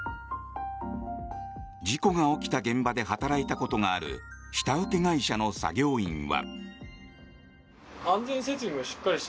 事故が起きた現場で働いたことがある下請け会社の作業員は。